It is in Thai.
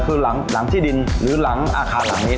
คือหลังที่ดินหรือหลังอาคารหลังนี้